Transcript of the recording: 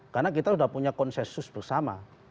karena kita sudah punya konsensus bersama